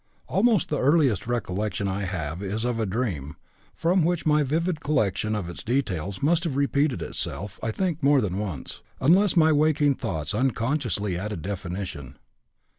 "Almost the earliest recollection I have is of a dream, which, from my vivid recollection of its details, must have repeated itself, I think, more than once, unless my waking thoughts unconsciously added definition.